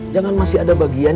jangan masih ada bagian